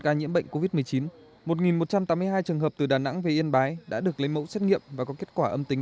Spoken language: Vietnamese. ca nhiễm bệnh covid một mươi chín một một trăm tám mươi hai trường hợp từ đà nẵng về yên bái đã được lấy mẫu xét nghiệm và có kết quả âm tính